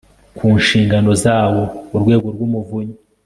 ku nshingano zawo urwego rw umuvunyi